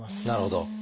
なるほど。